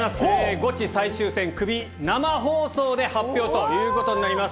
ゴチ最終戦、クビ、生放送で発表ということになります。